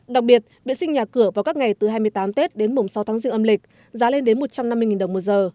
đặc biệt vệ sinh nhà cửa vào các ngày từ hai mươi tám tết đến mùng sáu tháng riêng âm lịch giá lên đến một trăm năm mươi đồng một giờ